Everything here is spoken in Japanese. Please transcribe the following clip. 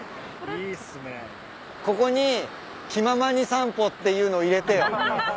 ここに『気ままにさんぽ』っていうの入れてよ。